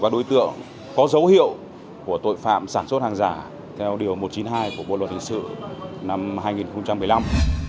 đối tượng có dấu hiệu của tội phạm sản xuất hàng giả theo điều một trăm chín mươi hai của bộ luật hình sự năm hai nghìn một mươi năm